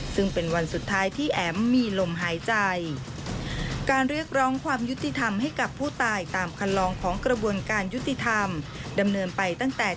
ซึ่งเป็นวันสุดท้ายที่แอ๋มมีลมหายใจ